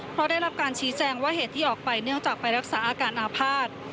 เพราะได้รับการชี้แจงว่าเหตุที่ออกไปเนื่องจากไปรักษาอาการอาภาษณ์